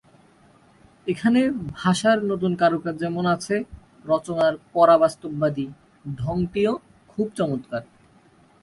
এখানে ভাষার নতুন কারুকাজ যেমন আছে, রচনার পরাবাস্তববাদী ঢংটিও খুব চমৎকার।